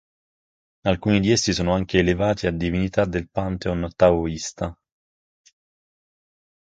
Alcuni di essi sono anche elevati a divinità del pantheon taoista.